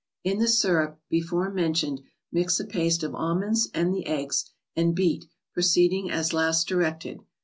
In K * he s y fu p before men¬ tioned, mix a paste of almonds and the eggs, and beat, proceeding as last directed.